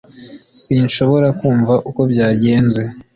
S Sinshobora kumva uko byagenze